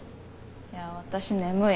いや私眠い。